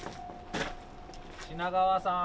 品川さん。